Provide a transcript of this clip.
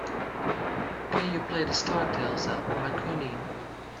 Can you play the Star Tales album by Colleen?